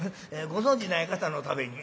ご存じない方のために。